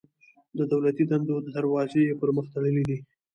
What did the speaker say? د دولتي دندو دروازې یې پر مخ تړلي دي.